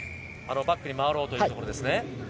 バックに回ろうというところですね。